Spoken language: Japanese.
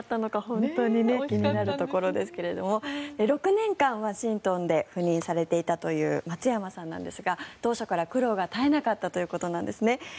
本当に気になるところですが６年間、ワシントンで赴任されていたという松山さんですが当初から苦労が絶えなかったということなんですね。